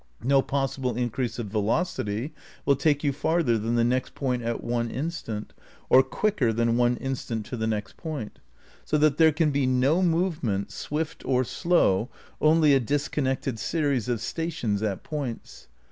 No possible increase of velocity will take you farther than the next point at one instant, or quicker than one instant to the next point; so that there can be no movement, swift or slow, only a dis connected series of stations at points.